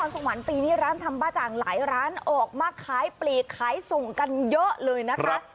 โรงนครสงวัลปีนี้ร้านทำบ้าจังหลายร้านออกมาคล้ายปลีกคล้ายส่งกันเยอะเลยนะคะ